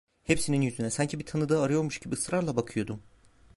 Hepsinin yüzüne sanki bir tanıdığı arıyormuş gibi ısrarla bakıyordum.